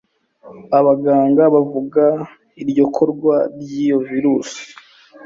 Abaganga bavuga iryo korwa ry'iyo virusi